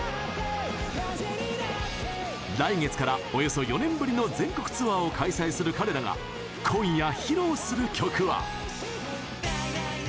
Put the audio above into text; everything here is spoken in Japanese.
来月から、およそ４年ぶりの全国ツアーを開催する彼らが今夜、披露する曲は。